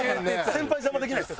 先輩邪魔できないです。